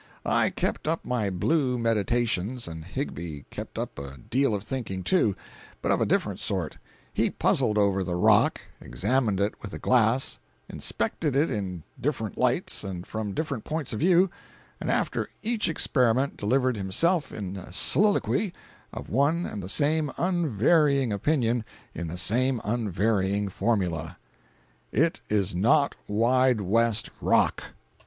I kept up my "blue" meditations and Higbie kept up a deal of thinking, too, but of a different sort. He puzzled over the "rock," examined it with a glass, inspected it in different lights and from different points of view, and after each experiment delivered himself, in soliloquy, of one and the same unvarying opinion in the same unvarying formula: "It is not Wide West rock!"